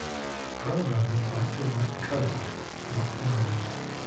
Programmers like to write code; not words.